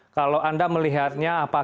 kalau anda melihatnya apakah